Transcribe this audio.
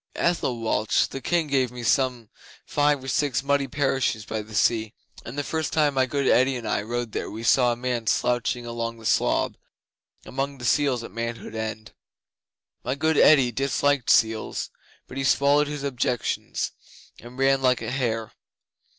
Ethelwalch the King gave me some five or six muddy parishes by the sea, and the first time my good Eddi and I rode there we saw a man slouching along the slob, among the seals at Manhood End. My good Eddi disliked seals but he swallowed his objections and ran like a hare.